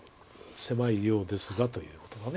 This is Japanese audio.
狭いようですがということだ。